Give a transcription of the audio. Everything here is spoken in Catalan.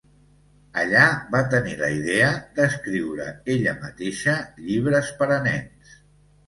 Allà va tenir la idea d'escriure ella mateixa llibres per a nens.